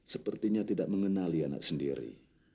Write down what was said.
sepertinya tidak mengenali anak sendiri